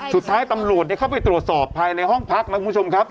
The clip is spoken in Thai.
สุดท้ายตำรวจเข้าไปตรวจสอบภายในห้องพักนะคุณผู้ชมครับ